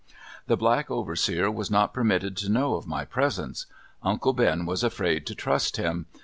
The black overseer was not permitted to know of my presence. Uncle Ben was afraid to trust him.